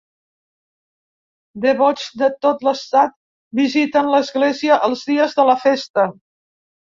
Devots de tot l'estat visiten l'església els dies de la festa.